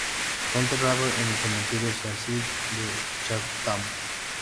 Fue enterrado en el Cementerio Seaside de Chatham.